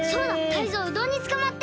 タイゾウうどんにつかまって。